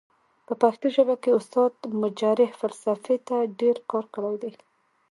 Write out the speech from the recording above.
په پښتو ژبه کې استاد مجرح فلسفې ته ډير کار کړی دی.